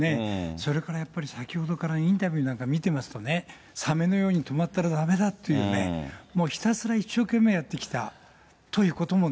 それからやっぱり、先ほどからインタビューなんか見てますとね、サメのように止まったらだめだっていうね、もうひたすら一生懸命やってきたということもね。